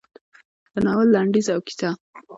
د ناول لنډیز او کیسه: